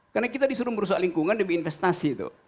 karena kita disuruh merusak lingkungan demi investasi itu